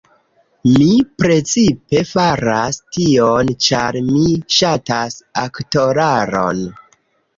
Mi precipe faras tion ĉar mi ŝatas aktoraron